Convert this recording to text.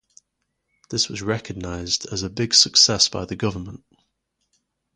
This was recognized as a big success by the government.